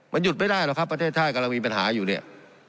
มันหยุดไม่ได้หรอกครับประเทศไทยกำลังมีปัญหาอยู่เนี่ย